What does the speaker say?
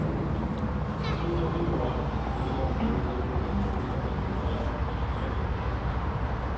詳細については、大阪府バレーボール協会の小比賀会長から、伝えていただきます。